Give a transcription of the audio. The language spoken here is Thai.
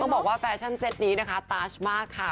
บอกว่าแฟชั่นเซ็ตนี้นะคะตาชมากค่ะ